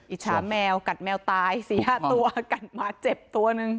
อิจฉาแมวกัดแมวตาย๔๕ตัวกัดหมาเจ็บตัวหนึ่ง